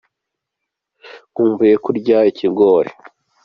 Nkumbuye kurya ikigori.